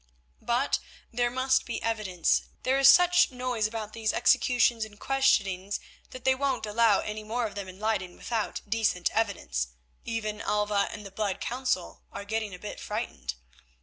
"But there must be evidence; there is such noise about these executions and questionings that they won't allow any more of them in Leyden without decent evidence; even Alva and the Blood Council are getting a bit frightened.